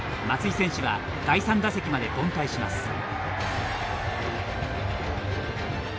松井選手は第３打席まで凡退します。